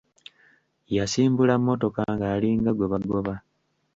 Yasimbula mmotoka ng'alinga gwe bagoba.